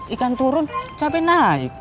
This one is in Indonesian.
ikan turun cabai naik